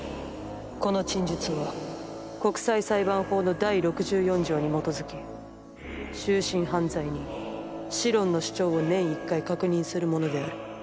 この陳述は国際裁判法の第６４条に基づき終身犯罪人シロンの主張を年１回確認するものである。